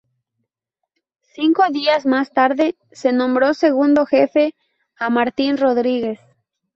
Cinco días más tarde, se nombró segundo jefe a Martín Rodríguez.